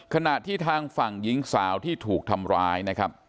ขณะที่ทางฝั่งหญิงสาวที่ถูกทำร้ายนะครับ